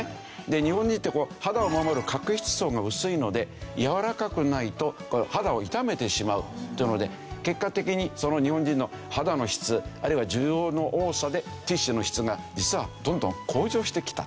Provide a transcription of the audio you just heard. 日本人って肌を守る角質層が薄いのでやわらかくないと肌を傷めてしまうというので結果的に日本人の肌の質あるいは需要の多さでティッシュの質が実はどんどん向上してきたと。